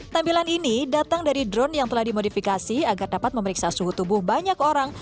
tampilan ini datang dari drone yang telah dimodifikasi agar dapat memeriksa suhu tubuh banyak orang